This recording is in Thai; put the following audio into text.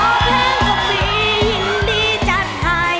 ขอเพลงกับพี่ยินดีจัดให้